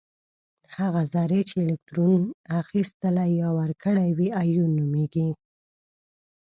هغه ذرې چې الکترون اخیستلی یا ورکړی وي ایون نومیږي.